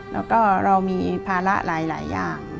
แล้วก็เรามีภาระหลายอย่าง